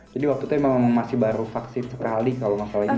jadi waktu itu memang masih baru vaksin sekali kalau masalah ini dulu